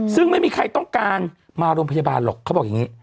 ซึ่งไม่มีใครต้องการมาโรงพยาบาลหรอกเขาบอกอย่างนี้